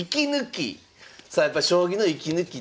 さあやっぱ将棋の息抜き